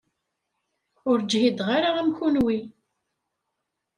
Ur ǧhideɣ ara am kenwi.